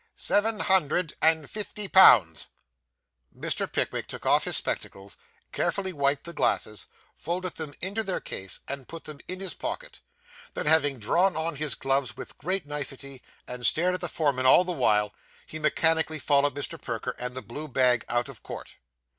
'Seven hundred and fifty pounds.' Mr. Pickwick took off his spectacles, carefully wiped the glasses, folded them into their case, and put them in his pocket; then, having drawn on his gloves with great nicety, and stared at the foreman all the while, he mechanically followed Mr. Perker and the blue bag out of court.